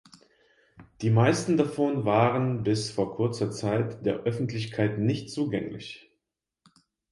Die meisten davon waren bis vor kurzer Zeit der Öffentlichkeit nicht zugänglich.